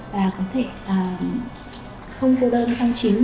và có thể không cô đơn trong chính